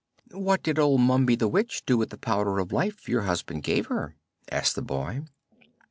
"What did old Mombi the Witch do with the Powder of Life your husband gave her?" asked the boy.